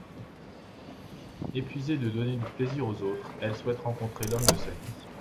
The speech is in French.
Épuisée de donner du plaisir aux autres, elle souhaite rencontrer l'homme de sa vie.